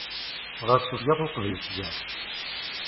Ɣas ufgeɣ uqbel lefjer.